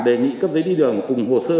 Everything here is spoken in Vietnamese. đề nghị cấp giấy đi đường cùng hồ sơ